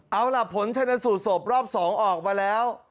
เอาล่ะผลชนสูตรศพรอบ๒ออกมาแล้ว